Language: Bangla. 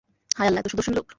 হায় আল্লাহ, এতো সুদর্শন লোক।